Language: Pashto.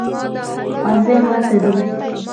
ښوونځی هلته دی